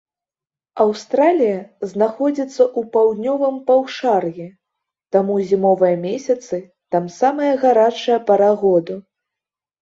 Аўстралія знаходзіцца ў паўднёвым паўшар'і, таму зімовыя месяцы там самая гарачая пара году.